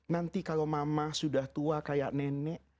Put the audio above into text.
nanti kalau mama sudah tua kayak nenek